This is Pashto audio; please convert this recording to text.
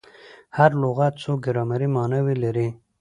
هر لغت څو ګرامري ماناوي لري.